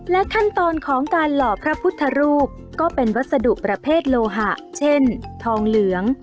ขั้นตอนของการหล่อพระพุทธรูปก็เป็นวัสดุประเภทโลหะเช่นทองเหลือง